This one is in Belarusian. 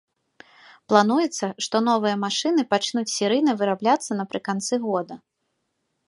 Плануецца, што новыя машыны пачнуць серыйна вырабляцца напрыканцы года.